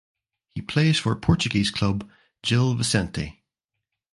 He plays for Portuguese club Gil Vicente.